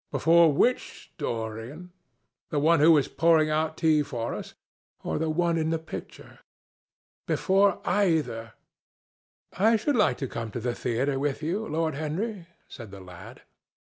"Before which Dorian? The one who is pouring out tea for us, or the one in the picture?" "Before either." "I should like to come to the theatre with you, Lord Henry," said the lad.